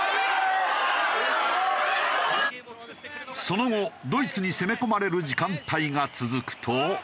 その後ドイツに攻め込まれる時間帯が続くと。